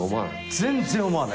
全然思わない。